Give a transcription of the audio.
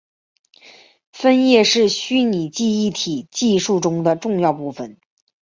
分页是虚拟记忆体技术中的重要部份。